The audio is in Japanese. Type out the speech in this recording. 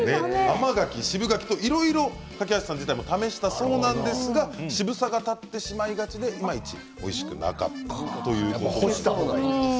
甘柿、渋柿といろいろ梯さん自体も試したそうなんですが渋さが立ってしまいがちで、いまいちおいしくなかったということです。